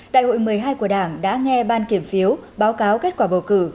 đại hội một mươi hai của đảng đã nghe ban kiểm phiếu báo cáo kết quả bầu cử